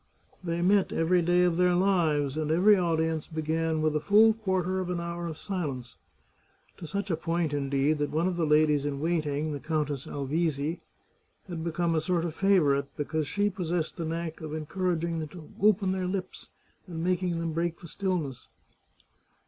They met every day of their lives, and every audience began with a full quarter of an hour of silence — to such a point indeed, that one of the ladies in waiting, the Coun tess Alvizi, had become a sort of favourite because she possessed the knack of encouraging them to open their lips, and making them break the stillness.